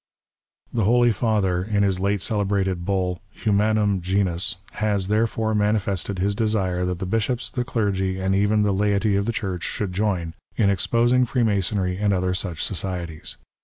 The Holy Pather, in his late celebrated Eull, Humanmn Genus^ has, therefore, manifested his desire that the bishops, the clergy, and even the laity of tlie Church should join in exposing Freemasonry and other such societies.